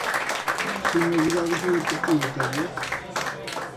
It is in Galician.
Sen novidades no Deportivo, Terio.